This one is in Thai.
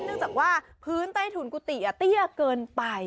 เนื่องจากว่าพื้นใต้ถุนกุฏิเตี้ยเกินไป